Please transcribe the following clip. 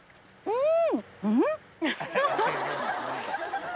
うん！